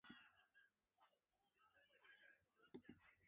丸められた従業員用のエプロンとか色々